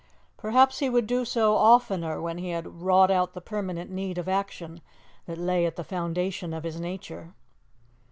Perhaps he would do so oftener when he had wrought out the permanent need of action that lay at the foundation of his nature.